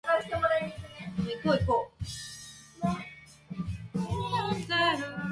たかしは将来的に、海へドラゴン退治にでかけます。その後好みの人と喧嘩しました。おしまい